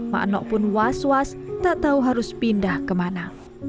makno pun was was tak tahu harus pindah kemana